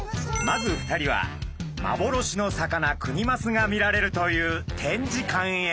まず２人は幻の魚クニマスが見られるという展示館へ。